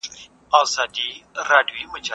که ته غواړې چې خوشحاله واوسې نو صبر وکړه.